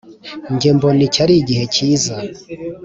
Nge mbona iki ari igihe kiza